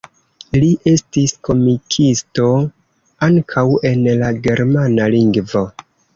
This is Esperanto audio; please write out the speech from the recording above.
Li estis komikisto ankaŭ en la germana lingvo.